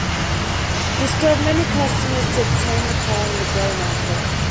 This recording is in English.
This drove many customers to obtain the car in the gray market.